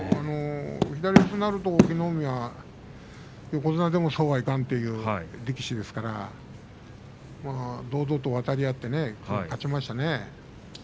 左四つになると隠岐の海は横綱でも、そうはいかんという力士ですから堂々と渡り合って、勝ちましたね。